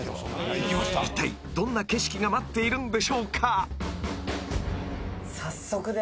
［いったいどんな景色が待っているんでしょうか］